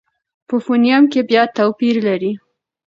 په فونېم کې بیا توپیر لري.